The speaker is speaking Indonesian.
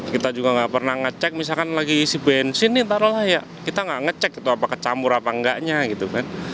kita juga nggak pernah ngecek misalkan lagi isi bensin nih taruhlah ya kita nggak ngecek itu apakah campur apa enggaknya gitu kan